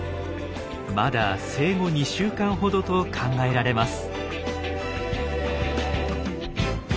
まだ生後２週間ほどと考えられます。